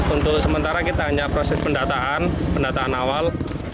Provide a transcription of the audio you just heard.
untuk sementara kita hanya proses pendataan pendataan awal